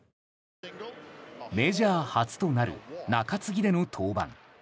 メジャー初となる中継ぎでの登板。